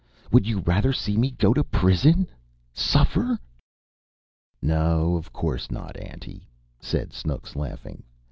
Would you rather see me go to prison suffer?" "No, of course not, auntie," said Snooks, laughing.